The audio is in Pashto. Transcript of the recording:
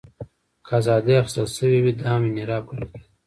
که ازادۍ اخیستل شوې وې، دا هم انحراف ګڼل کېده.